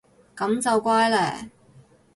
噉就乖嘞